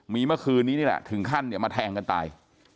มีเมื่อคืนนี้นี่แหละถึงขั้นเนี่ยมาแทงกันตาย